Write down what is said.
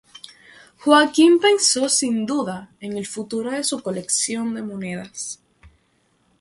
Joaquín pensó sin duda en el futuro de su colección de monedas.